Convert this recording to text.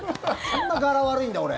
そんな柄悪いんだ、俺。